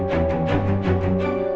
dia sangat peduli